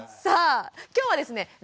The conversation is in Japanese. さあ今日はですね